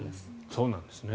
そうなんですね。